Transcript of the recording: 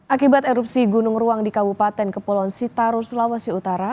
akibat erupsi gunung ruang di kabupaten kepulauan sitaru sulawesi utara